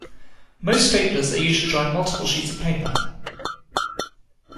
Most staplers are used to join multiple sheets of paper.